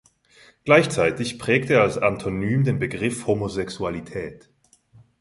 Gleichzeitig prägte er als Antonym den Begriff „Homosexualität“.